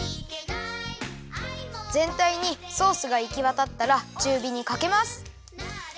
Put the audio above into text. ぜんたいにソースがいきわたったらちゅうびにかけます。